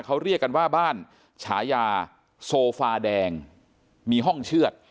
เขาเรียกกันว่าบ้านฉายาโซฟาแดงมีห้องเชื่อด